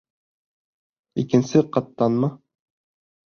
Икенсе ҡаттанмы?